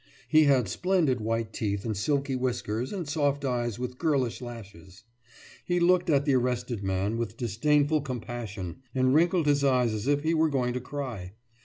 He had splendid white teeth and silky whiskers and soft eyes with girlish lashes. He looked at the arrested man with disdainful compassion, and wrinkled his eyes as if he were going to cry.